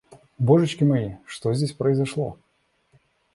Божечки мои, что здесь произошло?